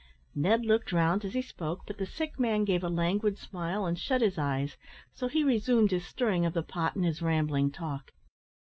Ned looked round as he spoke, but the sick man gave a languid smile, and shut his eyes, so he resumed his stirring of the pot and his rambling talk.